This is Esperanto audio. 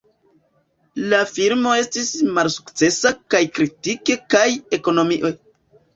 La filmo estis malsukcesa kaj kritike kaj ekonomie.